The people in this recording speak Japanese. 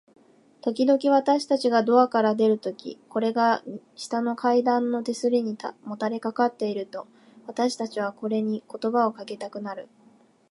ときどき、私たちがドアから出るとき、これが下の階段の手すりにもたれかかっていると、私たちはこれに言葉をかけたくなる。